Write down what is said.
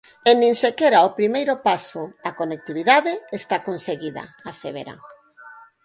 "E nin sequera o primeiro paso, a conectividade, está conseguida", asevera.